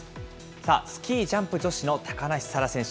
さあ、スキージャンプ女子の高梨沙羅選手。